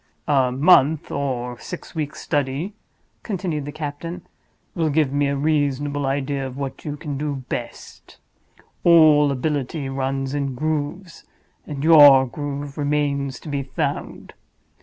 "A month or six weeks' study," continued the captain, "will give me a reasonable idea of what you can do best. All ability runs in grooves; and your groove remains to be found.